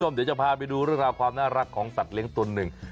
เดี๋ยวจะพาไปดูเรื่องราวความน่ารักของสัตว์เลี้ยงตัวหนึ่ง